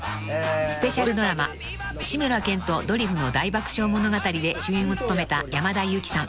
［スペシャルドラマ『志村けんとドリフの大爆笑物語』で主演を務めた山田裕貴さん］